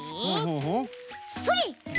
それ！